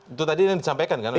itu tadi yang disampaikan kan